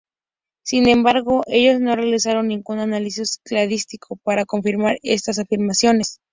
Sin embargo, ellos no realizaron ningún análisis cladístico para confirmar estas afirmaciones.